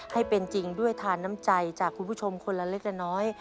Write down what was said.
ให้เป็นจริงด้วยทานน้ำใจจากคุณผู้ชมคนละเล็กละน้อย